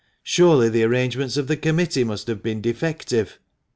Surely the arrangements of the committee must have been defective."